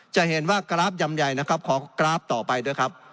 จะเห็นว่ากราฟยำใหญ่นะครับขอกราฟต่อไปด้วยครับ